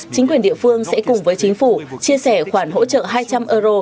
chính quyền địa phương sẽ cùng với chính phủ chia sẻ khoản hỗ trợ hai trăm linh euro